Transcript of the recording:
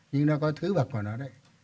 nhưng nó có thứ vật của nó đấy